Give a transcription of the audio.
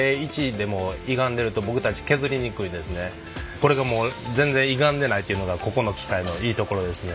これがもう全然いがんでないというのがここの機械のいいところですね。